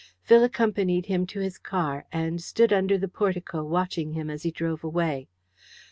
Phil accompanied him to his car, and stood under the portico watching him as he drove away.